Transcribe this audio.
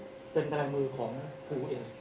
ก็คือนักตอนนี้ยังไม่ต้องถอดเกรงออกจากยูทูป